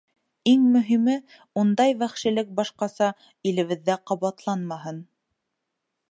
Иң мөһиме — ундай вәхшилек башҡаса илебеҙҙә ҡабатланмаһын.